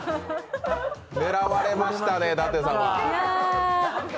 狙われましたね、だて様。